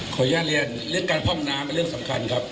ขออนุญาตเรียนเรื่องการพร่องน้ำเป็นเรื่องสำคัญครับ